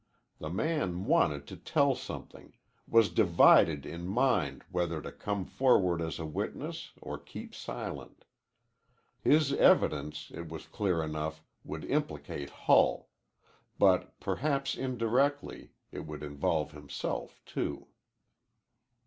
The man wanted to tell something, was divided in mind whether to come forward as a witness or keep silent. His evidence, it was clear enough, would implicate Hull; but, perhaps indirectly, it would involve himself, too.